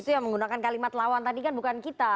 yang menggunakan kalimat lawan tadi kan bukan kita